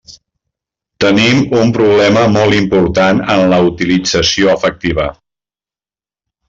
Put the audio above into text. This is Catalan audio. Tenim un problema molt important en la utilització efectiva.